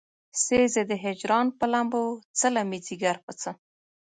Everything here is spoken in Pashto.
سيزې د هجران پۀ لمبو څله مې ځيګر پۀ څۀ